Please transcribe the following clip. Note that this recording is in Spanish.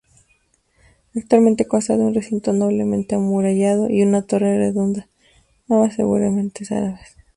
Actualmente consta de un recinto doblemente amurallado y una torre redonda, ambas seguramente árabes.